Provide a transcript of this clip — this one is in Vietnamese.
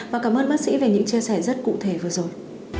và cảm ơn bác sĩ về những chia sẻ rất cụ thể vừa rồi